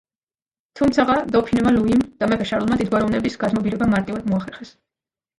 თუმცაღა დოფინმა ლუიმ და მეფე შარლმა დიდგვაროვნების გადმობირება მარტივად მოახერხეს.